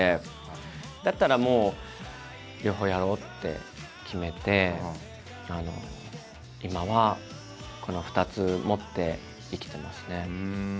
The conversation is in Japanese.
だったらもう両方やろうって決めて今はこの２つ持って生きてますね。